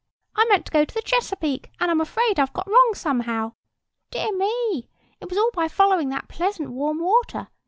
I meant to go to the Chesapeake, and I'm afraid I've got wrong somehow. Dear me! it was all by following that pleasant warm water.